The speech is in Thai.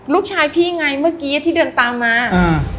ลูกชายพี่ไงเมื่อกี้ที่เดือนตามมาอืม